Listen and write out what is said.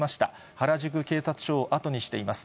原宿警察署を後にしています。